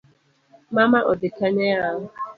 Mama odhi Kanye yawa?